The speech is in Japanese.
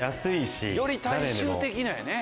より大衆的なんやね。